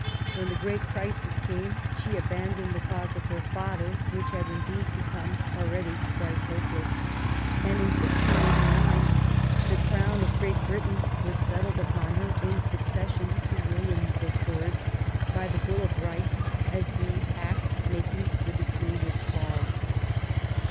When the great crisis came she abandoned the cause of her father, which had indeed become already quite hopeless, and in 1689 the crown of Great Britain was settled upon her in succession to William the Third, by the Bill of Bights, as the act making the decree was called.